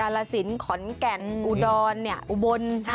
กาลสินขอนแกนอุดอนอุบล